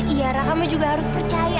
iya ra kamu juga harus percaya